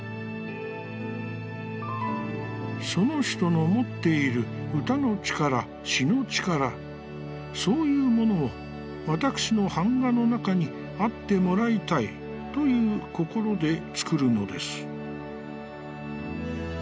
「その人のもっている歌の力、詩の力、そういうものを、わたくしの板画の中にあってもらいたい、という心でつくるのです」。